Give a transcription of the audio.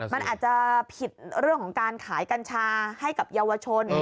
มันอาจจะผิดเรื่องของการขายกัญชาให้กับเยาวชน